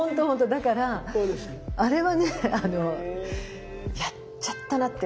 だからあれはねやっちゃったなっていうか。